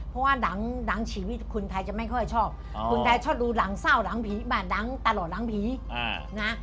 เพราะว่าหนังชีวิตคนไทยจะไม่ค่อยชอบคนไทยชอบดูหลังเศร้าหลังผีบ้านดังตลอดหลังผีนะ